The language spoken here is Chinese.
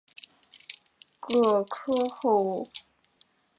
厚皮多枝介为多枝介科多枝介属下的一个种。